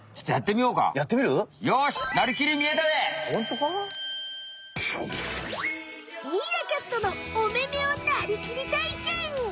ミーアキャットのお目目をなりきりたいけん！